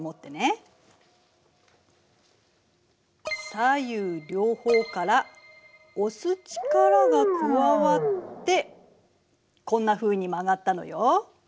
左右両方から押す力が加わってこんなふうに曲がったのよ。